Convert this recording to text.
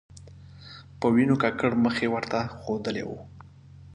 په وینو ککړ مخ یې ورته ښودلی و.